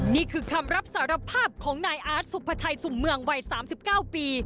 นี่คือคำรับสารภาพของนายอาร์ตสุภาชัยสุ่มเมืองวัย๓๙ปี